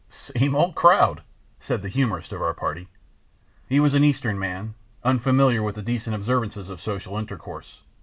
"Same old crowd," said the humorist of our party. He was an Eastern man, unfamiliar with the decent observances of social intercourse.